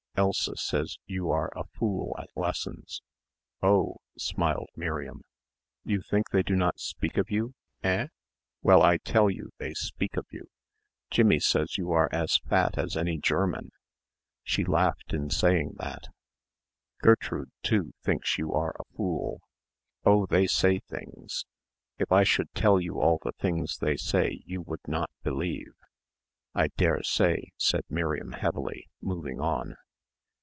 "Elsa says you are a fool at lessons." "Oh," smiled Miriam. "You think they do not speak of you, hein? Well, I tell you they speak of you. Jimmie says you are as fat as any German. She laughed in saying that. Gertrude, too, thinks you are a fool. Oh, they say things. If I should tell you all the things they say you would not believe." "I dare say," said Miriam heavily, moving on.